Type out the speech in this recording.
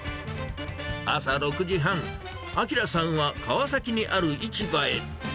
朝６時半、明さんは川崎にある市場へ。